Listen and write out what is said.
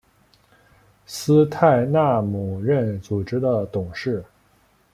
斯泰纳姆任组织的董事。